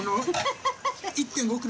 曚１．５ｋｇ。